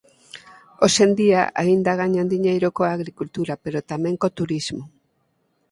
Hoxe en día aínda gañan diñeiro coa agricultura pero tamén co turismo.